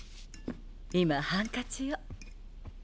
今ハンカチを。